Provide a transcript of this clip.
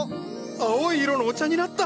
青い色のお茶になった！